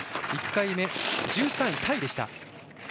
１回目、１３位タイでした。